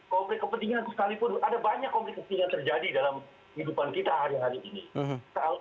konflik kepentingan sekalipun ada banyak konflik kepentingan terjadi dalam kehidupan kita hari hari ini